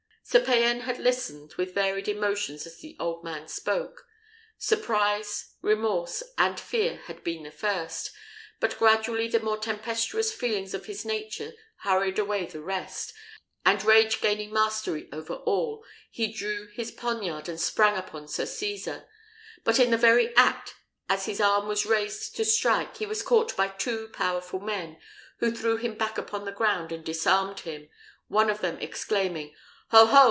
Sir Payan had listened with varied emotions as the old man spoke. Surprise, remorse, and fear had been the first; but gradually the more tempestuous feelings of his nature hurried away the rest, and, rage gaining mastery of all, he drew his poniard and sprang upon Sir Cesar. But in the very act, as his arm was raised to strike, he was caught by two powerful men, who threw him back upon the ground and disarmed him; one of them exclaiming, "Ho, ho!